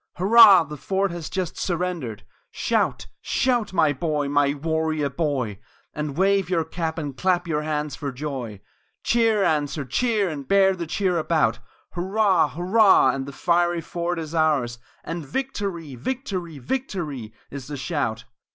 Hurrah! the fort has just surrendered! Shout! Shout! my boy, my warrior boy! And wave your cap and clap your hands for joy! Cheer answer cheer and bear the cheer about Hurrah! Hurrah! for the fiery fort is ours; And "Victory!" "Victory!" "Victory!" Is the shout.